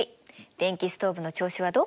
電気ストーブの調子はどう？